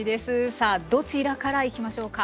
さあどちらからいきましょうか。